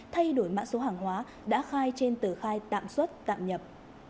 thay đổi mã số hàng hóa đã khai trên tờ khai tạm xuất tạm nhập